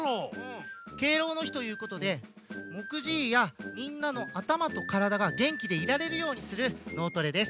「敬老の日」ということでもくじいやみんなのあたまとからだがげんきでいられるようにする「脳トレ」です。